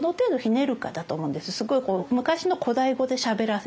すごいこう昔の古代語でしゃべらせる。